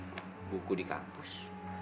buku di kampus